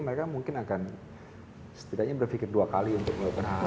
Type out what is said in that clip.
mereka mungkin akan setidaknya berpikir dua kali untuk melakukan hal hal